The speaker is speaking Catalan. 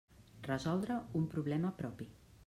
Resoldre un problema propi.